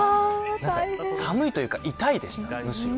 寒いというか、痛いでした。